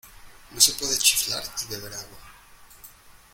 No se puede chiflar y beber agua.